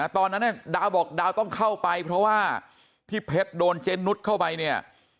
ดาวบอกดาวต้องเข้าไปเพราะว่าที่เพชรโดนเจนุสเข้าไปเนี่ย